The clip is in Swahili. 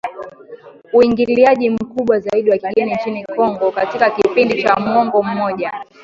uingiliaji mkubwa zaidi wa kigeni nchini Kongo katika kipindi cha muongo mmoja